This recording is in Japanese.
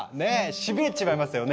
しびれちまいますよね！